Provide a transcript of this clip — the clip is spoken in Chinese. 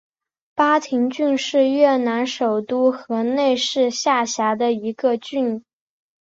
巴亭郡是越南首都河内市下辖的一个郡。